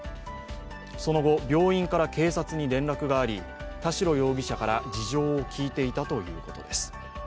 その後、病院から警察に連絡があり田代容疑者から事情を聞いていたということです。